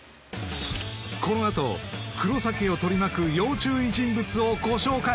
このあと黒崎を取り巻く要注意人物をご紹介